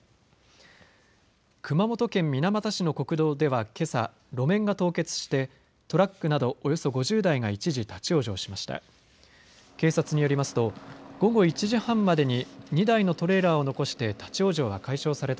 熊本県水俣市の国道ではけさ、路面が凍結してトラックなどおよそ５０台が一時立往生しました。